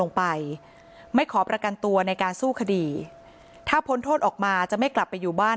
ไม่ขอประกันตัวในการสู้คดีถ้าพ้นโทษออกมาจะไม่กลับไปอยู่บ้าน